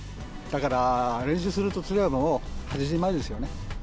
だから、練習するとすればもう８時前ですよね。